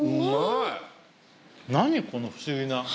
何この不思議な。